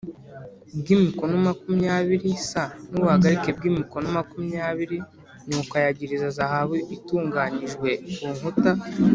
Bw imikono makumyabiri s n ubuhagarike bw imikono makumyabiri nuko ayagiriza zahabu itunganyijwe ku nkuta